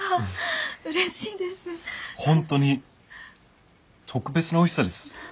本当に特別なおいしさです。